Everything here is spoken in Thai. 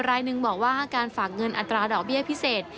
รายหนึ่งบอกว่าการฝากเงินอัตราดอกเบี้ยพิเศษ